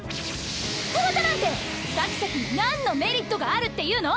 二股なんてサキサキになんのメリットがあるっていうの？